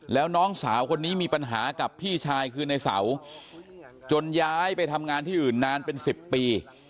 แล้วน้องสาวคนนี้มีปัญหากับพี่ชายคือในเสาจนย้ายไปทำงานที่อื่นนานเป็น๑๐ปี